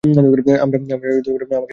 আমাকে ছাড়াই চলে যাও।